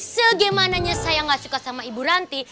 sebagaimananya saya gak suka sama ibu ranti